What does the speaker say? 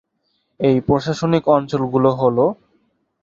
এই প্রশাসনিক অঞ্চলগুলো হলঃ